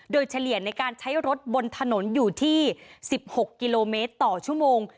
โดยเฉลี่ยในการใช้รถบนถนนอยู่ที่๑๖กิโลเมตรต่อชั่วโมง